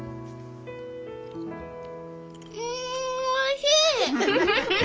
んおいしい！